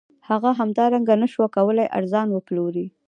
هغه همدارنګه نشوای کولی ارزان وپلوري